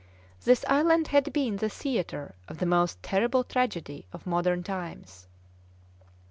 This island had been the theatre of the most terrible tragedy of modern times.